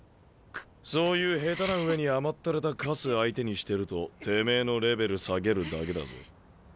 そういう下手な上に甘ったれたカス相手にしてるとてめえのレベル下げるだけだぜ。